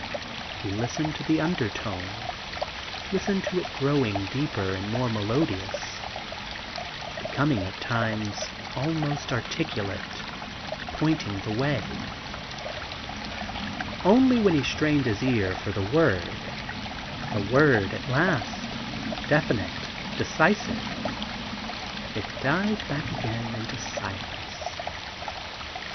He listened to the undertone, listened to it growing deeper and more melodious, becoming at times almost articulate, pointing the way ; only when he strained his ear for the word, the word at last, definite, decisive, it died back again into silence.